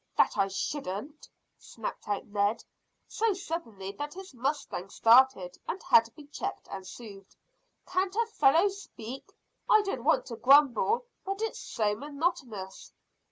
"That I shouldn't!" snapped out Ned, so suddenly that his mustang started and had to be checked and soothed. "Can't a fellow speak? I don't want to grumble, but it is so monotonous."